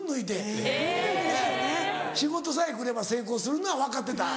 ・へぇ・仕事さえ来れば成功するのは分かってた。